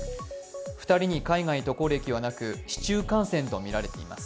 ２人に海外渡航歴はなく、市中感染とみられています。